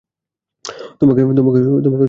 তোমাকে নিরাপদ মনে হয় না!